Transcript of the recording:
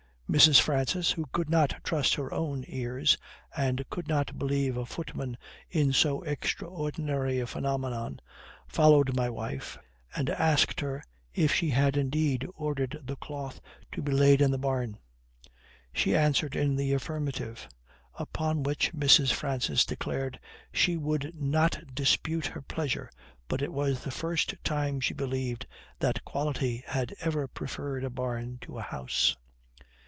Mrs. Francis, who could not trust her own ears, or could not believe a footman in so extraordinary a phenomenon, followed my wife, and asked her if she had indeed ordered the cloth to be laid in the barn? She answered in the affirmative; upon which Mrs. Francis declared she would not dispute her pleasure, but it was the first time she believed that quality had ever preferred a barn to a house.